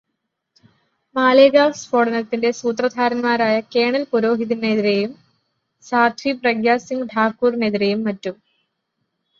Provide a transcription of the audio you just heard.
മാലേഗാവ് സ്ഫോടനത്തിന്റെ സൂത്രധാരന്മാരായ കേണല് പുരോഹിതിനെതിരെയും സാധ്വി പ്രഗ്യാസിങ് ഠാക്കൂറിനെതിരെയും മറ്റും